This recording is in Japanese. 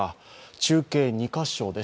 中継２か所です。